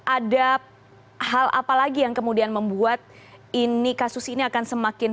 ada hal apa lagi yang kemudian membuat ini kasus ini akan semakin